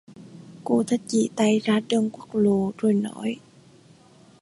Cô ta chỉ tay ra đường quốc lộ rồi nói